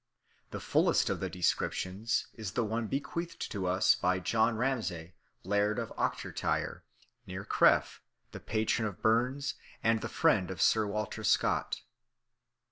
The fullest of the descriptions is the one bequeathed to us by John Ramsay, laird of Ochtertyre, near Crieff, the patron of Burns and the friend of Sir Walter Scott.